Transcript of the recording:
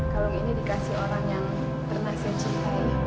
kalau ini dikasih orang yang pernah saya cintai